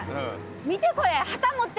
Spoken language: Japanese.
見てこれ。